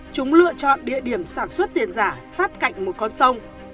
chúng lựa chọn địa điểm sản xuất tiền giả sát cạnh một con sông